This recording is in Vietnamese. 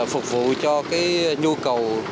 phục vụ cho nhu cầu